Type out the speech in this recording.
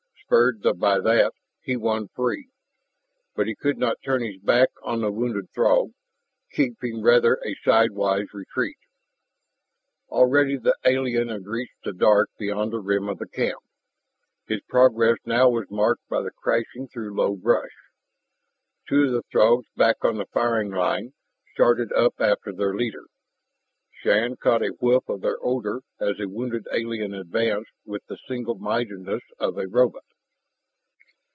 Spurred by that, he won free. But he could not turn his back on the wounded Throg, keeping rather a sidewise retreat. Already the alien had reached the dark beyond the rim of the camp. His progress now was marked by the crashing through low brush. Two of the Throgs back on the firing line started up after their leader. Shann caught a whiff of their odor as the wounded alien advanced with the single mindedness of a robot.